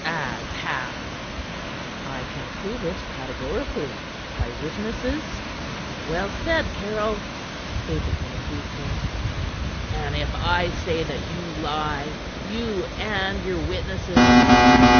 "As how?" "I can prove it categorically, by witnesses." "Well said, Caryll," Stapleton approved him. "And if I say that you lie you and your witnesses?"